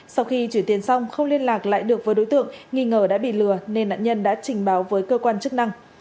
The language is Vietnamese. sau khi chuyển tiền xong không liên lạc lại được với đối tượng nghi ngờ đã bị lừa nên nạn nhân đã trình báo với cơ quan chức năng